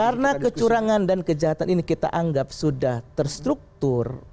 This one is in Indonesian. karena kecurangan dan kejahatan ini kita anggap sudah terstruktur